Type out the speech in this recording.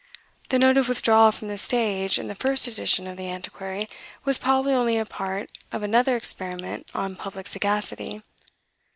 '" The note of withdrawal from the stage, in the first edition of "The Antiquary," was probably only a part of another experiment on public sagacity.